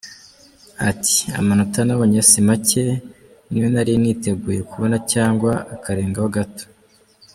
Ati “Amanota nabonye si make, niyo nari niteguye kubona cyangwa akarengaho gato.